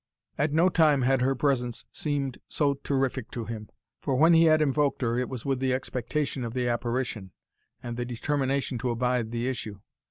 At no time had her presence seemed so terrific to him; for when he had invoked her, it was with the expectation of the apparition, and the determination to abide the issue.